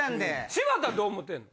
柴田はどう思ってんの。